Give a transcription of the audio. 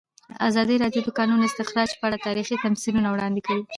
ازادي راډیو د د کانونو استخراج په اړه تاریخي تمثیلونه وړاندې کړي.